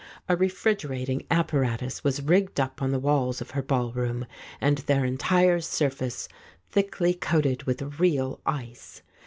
A refrigerating ap paratus was rigged up on the walls of her ballroom, and their entire surface thickly coated with real ice.